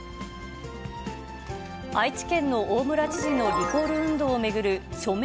愛知県の大村知事のリコール運動を巡る署名